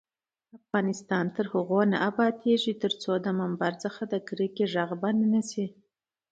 افغانستان تر هغو نه ابادیږي، ترڅو د ممبر څخه د کرکې غږ بند نشي.